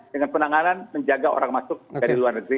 dengan penanganan menjaga orang masuk dari luar negeri